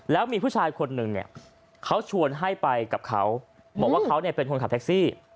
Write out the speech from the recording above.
แล้วมีผู้ชายคนหนึ่งเนี่ยเขาชวนให้ไปกับเขาบอกว่าเขาเนี่ยเป็นคนขับแท็กซี่